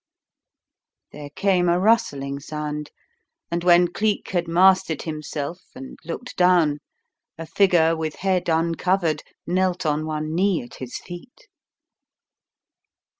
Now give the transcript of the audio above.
_" Then came a rustling sound, and when Cleek had mastered himself and looked down, a figure with head uncovered knelt on one knee at his feet.